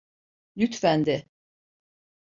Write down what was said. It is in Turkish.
Lütfen de.